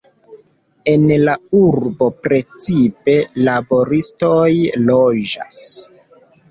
En la urbo precipe laboristoj loĝas.